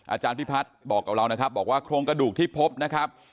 อาจารย์พิพัฒน์บอกกับเรานะครับบอกว่าโครงกระดูกที่พบนะครับ